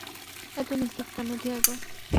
এত নিস্তেজ কেন, থিয়াগো?